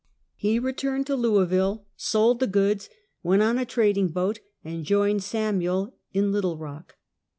He returned to Louisville, sold the goods, went on a trading boat, and joined Samuel in Little Rock.